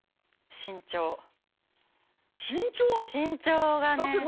身長がね。